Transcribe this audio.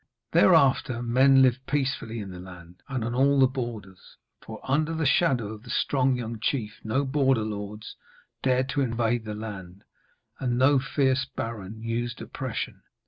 Thereafter men lived peacefully in the land, and on all the borders, for under the shadow of the strong young chief no border lords dared to invade the land, and no fierce baron used oppression.